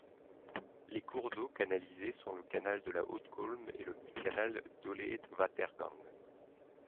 Les cours d’eau canalisés sont le canal de la Haute-Colme et le canal d’Oleet-Watergang.